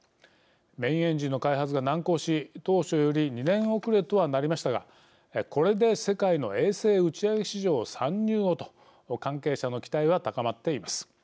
メインエンジンの開発が難航し当初より２年遅れとはなりましたがこれで世界の衛星打ち上げ市場参入をと関係者の期待は高まっています。